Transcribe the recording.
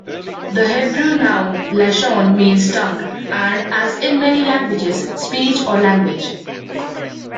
The Hebrew noun "lashon" means "tongue", and as in many languages, "speech" or "language".